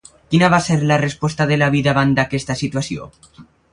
Quina va ser la resposta de l'avi davant d'aquesta situació?